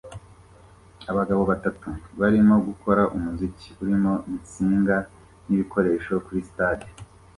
Abagabo batatu barimo gukora umuziki urimo insinga nibikoresho kuri stade